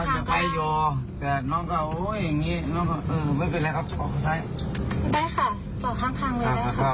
ก็คือผู้โดยสารคุณนี้เขาขึ้นรถไปเป็นผู้หญิงนะคะ